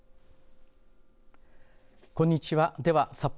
こんにちは。